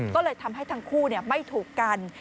ก็เลยทำให้ทั้งคู่ไม่ถูกกัน